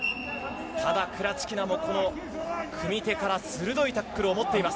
クラチキナも組み手から鋭いタックルを見せています。